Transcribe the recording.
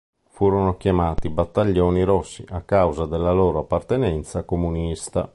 Furono chiamati "battaglioni rossi" a causa della loro appartenenza comunista.